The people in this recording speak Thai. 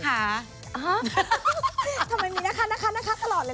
ทำไมมีนะค่ะนะค่ะนะค่ะตลอดเลยล่ะค่ะ